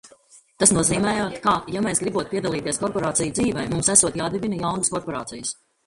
Tas nozīmējot, ka ja mēs gribot piedalīties korporāciju dzīvē, mums esot jādibina jaunas korporācijas.